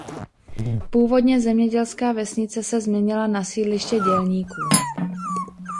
Původně zemědělská vesnice se změnila na sídliště dělníků.